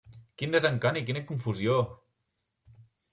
Quin desencant i quina confusió!